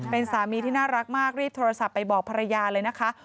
เป็นสามีที่น่ารักมากรีบโทรศัพท์ไปบอกภรรยาเลยนะคะ